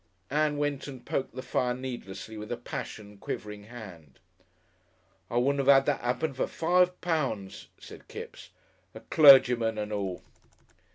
Ann went and poked the fire needlessly with a passion quivering hand. "I wouldn't 'ave 'ad that 'appen for five pounds," said Kipps. "A clergyman and all!"